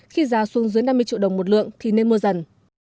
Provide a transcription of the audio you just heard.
khi giá xuống dưới năm mươi triệu đồng một lượng thì nên mua dần